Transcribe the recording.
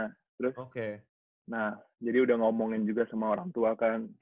terus nah jadi udah ngomongin juga sama orang tua kan